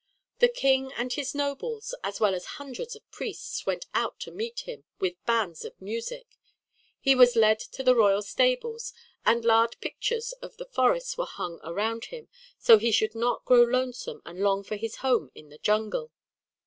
The king and his nobles, as well as hundreds of priests, went out to meet him with bands of music. He was led to the royal stables, and large pictures of the forests were hung around him, so he should not grow lonesome and long for his home in the jungle.